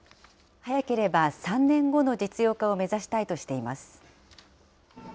早ければ３年後の実用化を目指したいとしています。